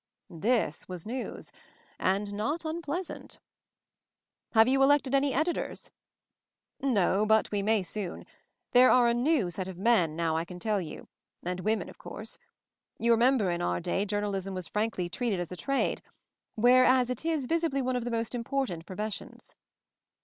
This was news, and not unpleasant. "Have you elected any Editors?" "No — but we may soon. They are a new set of men now I can tell you; and women, of course. You remember in our day journalism was frankly treated as a trade; whereas it is visibly one of the most im portant professions."